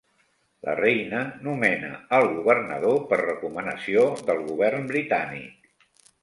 La Reina nomena el governador per recomanació del Govern britànic.